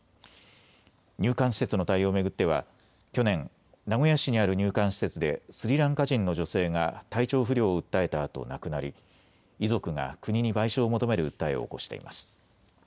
入管施設の対応を巡っては去年、名古屋市にある入管施設でスリランカ人の女性が体調不良を訴えたあと亡くなり遺族が国に賠償を求める訴えを起こしています。